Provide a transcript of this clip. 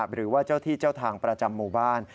หรือว่าเจ้าที่เจ้าทางประจำหมู่บ้าน